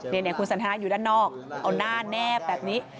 นี่คุณสันทนาอยู่ด้านนอกเอาหน้าแนบแบบนี้